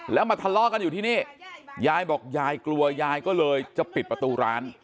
แล้วมาทะเลาะกันอยู่ที่นี่ยายบอกยายกลัวยายก็เลยจะปิดประตูร้าน